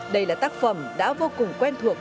đây là tác phẩm đã vô cùng quen thuộc